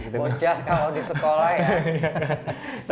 bocah kalau di sekolah ya